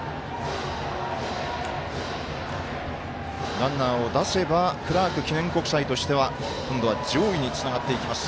ランナーを出せばクラーク記念国際としては今度は上位につながっていきます。